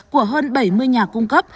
của hơn bảy mươi nhà cung cấp